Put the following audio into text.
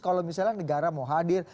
kalau misalnya negara mau hadir